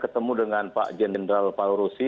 ketemu dengan pak jenderal pak ruzi